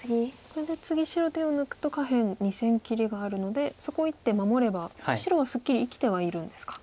これで次白手を抜くと下辺２線切りがあるのでそこを１手守れば白はすっきり生きてはいるんですか。